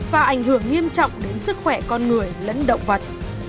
hình hưởng nghiêm trọng đến sức khỏe con người lẫn động vật